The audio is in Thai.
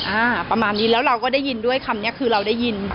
อ่าประมาณนี้แล้วเราก็ได้ยินด้วยคำนี้คือเราได้ยิน